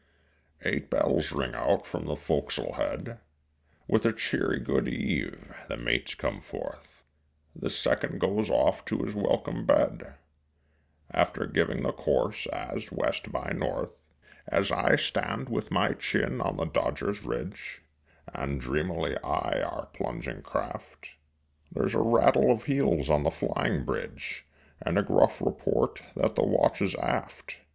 Eight bells ring out from the fo'c'sle head; With a cheery good eve the mate comes forth, The second goes off to his welcome bed, After giving the course as west by north. As I stand with my chin on the dodger's ridge And dreamily eye our plunging craft There's a rattle of heels on the flying bridge And a gruff report that the watch is aft.